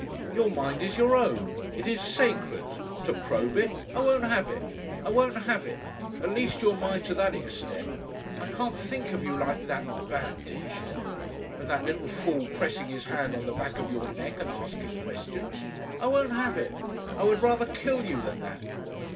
Your mind is your own. It is sacred. To probe it! I won't have it! I won't have it! At least you are mine to that extent. I can't think of you like that bandaged. And that little fool pressing his hand on the back of your neck and asking questions. I won't have it! I would rather kill you than that."